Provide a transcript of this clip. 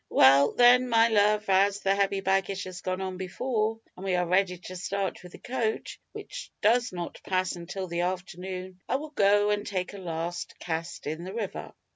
"Well, then, my love, as the heavy baggage has gone on before, and we are ready to start with the coach, which does not pass until the afternoon, I will go and take a last cast in the river."